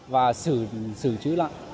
và xử trữ lại